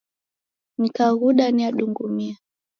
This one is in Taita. Nikaghuda niadungumia